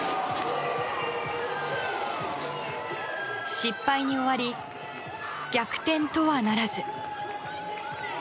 失敗に終わり逆転とはならず。